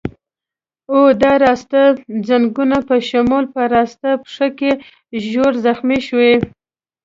او د راسته ځنګون په شمول په راسته پښه کې ژور زخمي شوی.